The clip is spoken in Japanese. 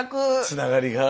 つながりが。